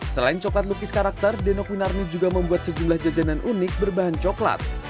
selain coklat lukis karakter denok winarni juga membuat sejumlah jajanan unik berbahan coklat